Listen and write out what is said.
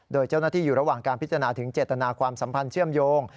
โดยเจ้าหน้าที่อยู่ระหว่างการพิจารณาถึงเจตนาความสัมพันธ์เชื่อมโยง